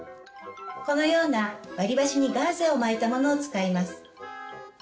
このような割り箸にガーゼを巻いたものを使います。